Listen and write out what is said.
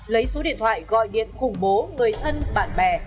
lấy số điện thoại gọi điện khủng bố người thân bạn bè